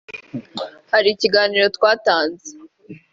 Hari ikiganiro twatanze